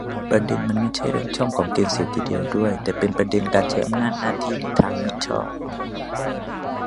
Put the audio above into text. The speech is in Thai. ประเด็นมันไม่ใช่เรื่องช่องของเกณฑ์เสียทีเดียวด้วย แต่เป็นประเด็นการใช้อำนาจหน้าที่ในทางมิชอบ